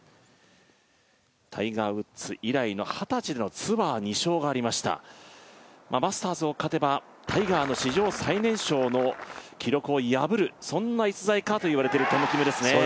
タイガー・ウッズ以来の二十歳のツアー２勝目がありましたマスターズを勝てばタイガーの史上最年少の記録を破るそんな逸材かと言われているトム・キムですね。